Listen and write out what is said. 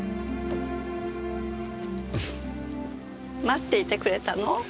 待っていてくれたの？